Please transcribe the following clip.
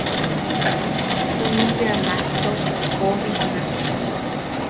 Junum bea maejto boʼobitna.